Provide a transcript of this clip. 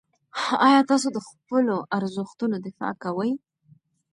آیا تاسې د خپلو ارزښتونو دفاع کوئ؟